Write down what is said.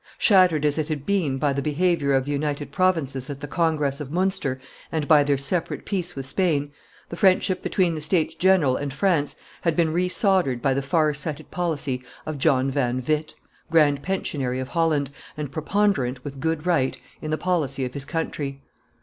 Shattered as it had been by the behavior of the United Provinces at the Congress of Munster and by their separate peace with Spain, the friendship between the States General and France had been re soldered by the far sighted policy of John Van Witt, grand pensionary of Holland, and preponderant, with good right, in the policy of his country.